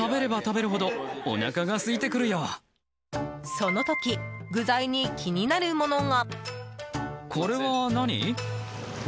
その時、具材に気になるものが。